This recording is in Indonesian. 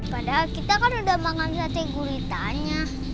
padahal kita kan udah makan sate guritanya